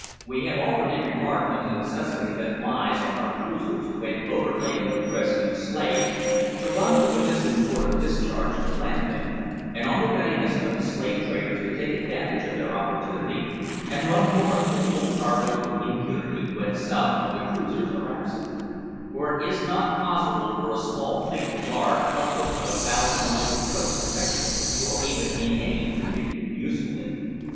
We have already remarked on the necessity that lies on our cruisers, when overladen with rescued slaves, to run to a distant port of discharge to land them; and on the readiness of the slave traders to take advantage of their opportunity, and run north with full cargoes with impunity when some of the cruisers are absent; for it is not possible for a small fleet to guard upwards of a thousand miles of coast effectually, or even, in any degree, usefully.